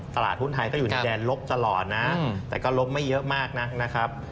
ตลาดหุ้นไทยก็อยู่ในแดนลบตลอดนะแต่ก็ลบไม่เยอะมากนักนะครับ